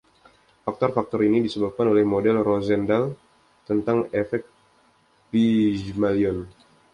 Faktor-faktor ini disebabkan oleh model Rosenthal tentang efek Pygmalion.